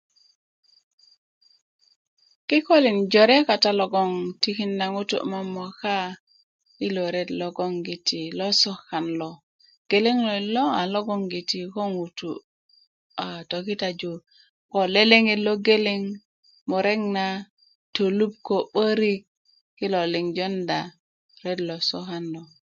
kikölin jore kata logon tikinda ŋutu momoka i lo ret logolongiti lo sokan lo geleŋ loyit logongiti ŋutu a tokitaju ko leleŋet lo geleŋ murek na tolup ko 'borik kilo liŋ jonda ret lo sokan lo